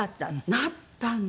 なったんです！